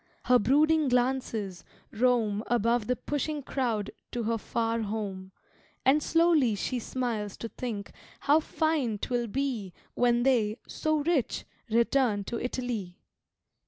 Her brooding glances roam Above the pushing crowd to her far home, And slow she smiles to think how fine 'twill be When they (so rich!) return to Italy.